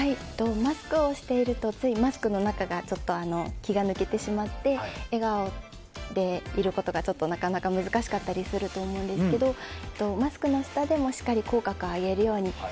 マスクをしているとマスクの中の気が抜けてしまって笑顔でいることがなかなか難しかったりすると思うんですけどマスクの下でもしっかり口角を上げるように。